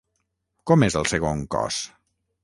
Com és el segon cos?